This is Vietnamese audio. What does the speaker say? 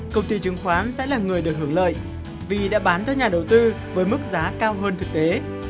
công ty chứng khoán sẽ là người được hưởng lợi vì đã bán tới nhà đầu tư với mức giá cao hơn thực tế